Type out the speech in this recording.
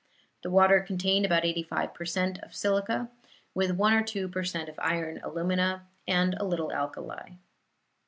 The water contained about eighty five per cent. of silica, with one or two per cent of iron alumina, and a little alkali.